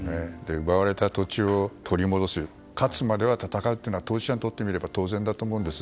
奪われた土地を取り戻す勝つまで戦うというのは当事者にとってみれば当然だと思います。